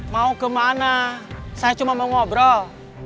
mau kemana saya cuma mau ngobrol